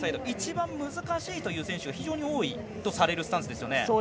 一番難しいという選手が非常に多いとされるスタンスですよね。